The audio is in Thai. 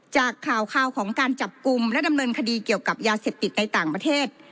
จากข่าวของการจับกลุ่มและดำเนินคดีเกี่ยวกับยาเสพติดในต่างประเทศ